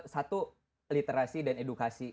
satu literasi dan edukasi